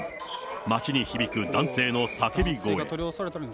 街に響く男性の叫び声。